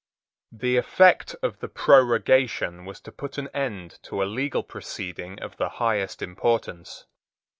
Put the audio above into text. The effect of the prorogation was to put an end to a legal proceeding of the highest importance.